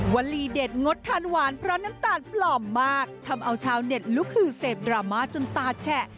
ลีเด็ดงดทานหวานเพราะน้ำตาลปลอมมากทำเอาชาวเน็ตลุกหือเสพดราม่าจนตาแฉะ